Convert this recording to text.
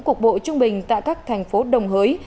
cục bộ trung bình tại các thành phố đồng hới